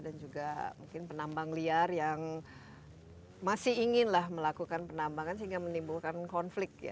dan juga mungkin penambang liar yang masih inginlah melakukan penambangan sehingga menimbulkan konflik